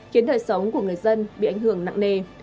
khiến đời sống của người dân bị ảnh hưởng nặng nề